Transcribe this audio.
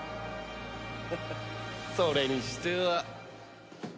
ハハッそれにしては。